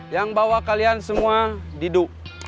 yang bawa kalian semua duduk